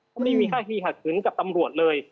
ก็ไม่ได้มีค่าทีขัดขืนกับตำรวจเลย